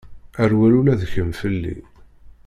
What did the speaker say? Rwel ula d kemm fell-i.